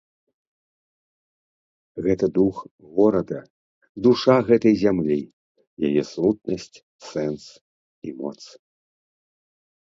Гэта дух горада, душа гэтай зямлі, яе сутнасць, сэнс і моц.